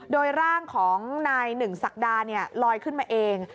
โดยร่างของนายหนึ่งศักดาลอยขึ้นมาเอง